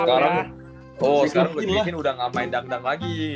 oh sekarang black griffin udah gak main dangdang lagi